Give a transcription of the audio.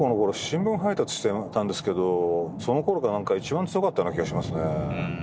新聞配達してたんですけどそのころが一番強かったような気がしますね。